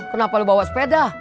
kenapa lu bawa sepeda